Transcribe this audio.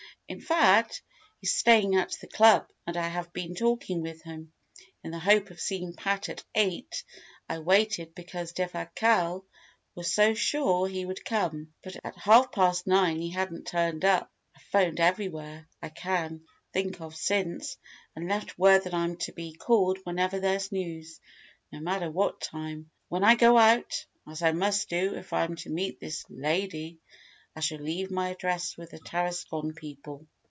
In fact, he's staying at the club, and I have been talking with him. In the hope of seeing Pat at eight, I waited, because Defasquelle was so sure he would come. But at half past nine he hadn't turned up. I've 'phoned everywhere I can think of since, and left word that I'm to be called whenever there's news, no matter what time. When I go out as I must do if I'm to meet the lady I shall leave my address with the Tarascon people."